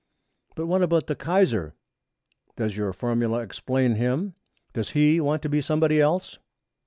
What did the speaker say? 'But what about the Kaiser? Does your formula explain him? Does he want to be somebody else?'